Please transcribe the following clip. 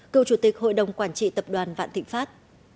cựu chủ tịch hội đồng quản trị tập đoàn vạn thịnh pháp